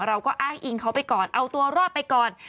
เราก็อ้างอิงเขาไปก่อนเอาตัวรอดไปก่อน